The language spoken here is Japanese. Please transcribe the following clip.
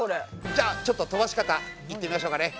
じゃあちょっと飛ばし方いってみましょうかね。